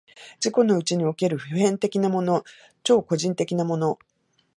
自己のうちにおける普遍的なもの、超個人的なもの、